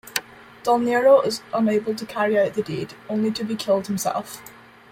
Dolnero is unable to carry out the deed, only to be killed himself.